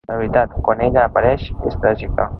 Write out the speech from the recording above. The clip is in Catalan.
La veritat quan ella apareix és tràgica.